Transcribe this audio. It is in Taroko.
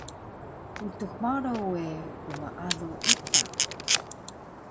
Utux Baro we gmaalu ita